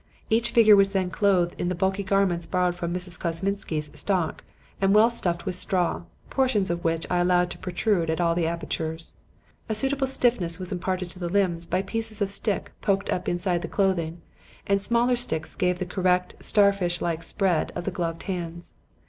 Each figure was then clothed in the bulky garments borrowed from Mrs. Kosminsky's stock and well stuffed with straw, portions of which I allowed to protrude at all the apertures. A suitable stiffness was imparted to the limbs by pieces of stick poked up inside the clothing, and smaller sticks gave the correct, starfish like spread to the gloved hands.